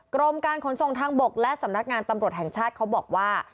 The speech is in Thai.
กรมการขนส่งทางบกและสำนักงานตำรวจแห่งชาติเขาบอกว่า